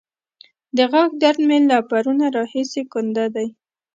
د غاښ درد مې له پرونه راهسې کنده دی.